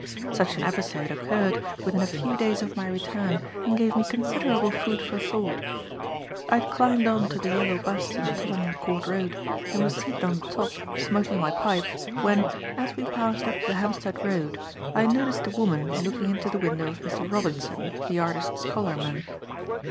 Such an episode occurred within a few days of my return, and gave me considerable food for thought. I had climbed on to the yellow 'bus in the Tottenham Court Road and was seated on the top, smoking my pipe, when, as we passed up the Hampstead Road, I noticed a woman looking into the window of Mr. Robinson, the artist's colourman.